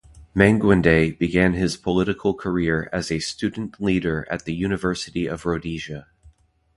Mangwende began his political career as a student leader at the University of Rhodesia.